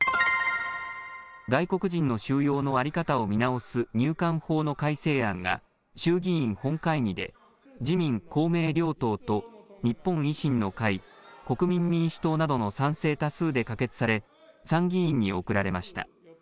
外国人の収容の在り方を見直す入管法の改正案が衆議院本会議で自民、公明両党と日本維新の会国民民主党などの賛成多数で可決され参議院に送られました。